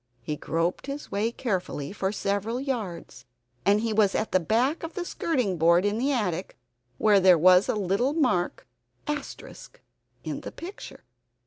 He groped his way carefully for several yards; he was at the back of the skirting board in the attic, where there is a little mark * in the picture.